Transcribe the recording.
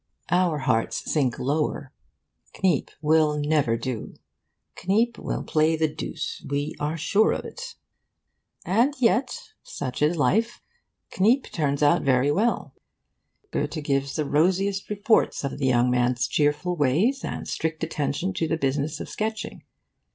Our hearts sink lower. Kniep will never do. Kniep will play the deuce, we are sure of it. And yet (such is life) Kniep turns out very well. Throughout the Sicilian tour Goethe gives the rosiest reports of the young man's cheerful ways and strict attention to the business of sketching.